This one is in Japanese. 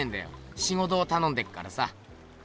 仕事をたのんでっからさ。